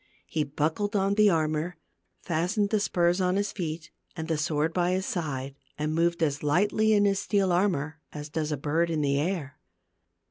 He buckled on the armor, fastened the spurs on his feet, and the sword by his side, and moved as lightly in his steel armor as does a bird in the air.